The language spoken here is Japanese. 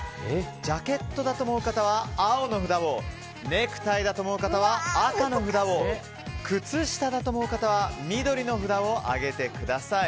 ジャケットだと思う方は青の札をネクタイだと思う方は赤の札をくつしただと思う方は緑の札を上げてください。